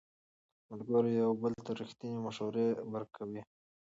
ملګري یو بل ته ریښتینې مشورې ورکوي